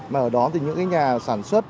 mà ở đó thì những cái nhà sản xuất